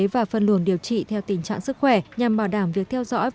và phân luồng điều trị theo tình trạng sức khỏe nhằm bảo đảm việc theo dõi